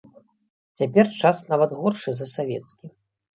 Цяпер час нават горшы за савецкі.